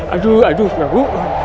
aduh aduh prabu